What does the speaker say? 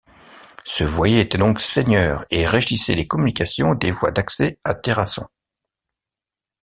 Ce Voyer était donc seigneur et régissait les communications des voies d'accès à Terrasson.